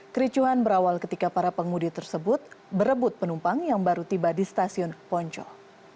kericuhan berawal ketika para pengemudi tersebut berebut penumpang yang baru tiba di stasiun ponco